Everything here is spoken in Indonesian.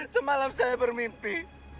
semalam saya bermimpi